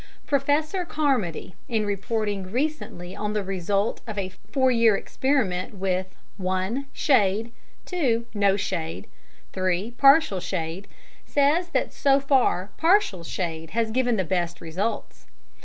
Professor Carmody, in reporting recently on the result of a four years' experiment with (1) shade, (2) no shade, (3) partial shade, says that so far partial shade has given the best results.